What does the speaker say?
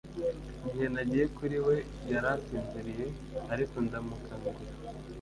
Igihe nagiye kuri we yari asinziriye ariko ndamukangura